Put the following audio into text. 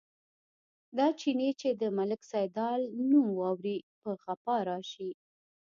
دا چيني چې د ملک سیدلال نوم واوري، په غپا راشي.